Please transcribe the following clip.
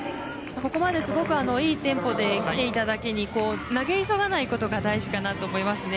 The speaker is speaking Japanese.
ここまですごくいいテンポできていただけに投げ急がないことが大事かなと思いますね。